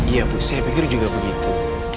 iya bu saya pikir juga begitu